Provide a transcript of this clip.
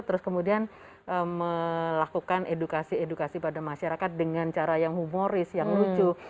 terus kemudian melakukan edukasi edukasi pada masyarakat dengan cara yang humoris yang lucu